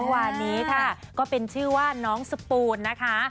วานนี้ค่ะก็เป็นชื่อว่าน้องสปูนนะคะ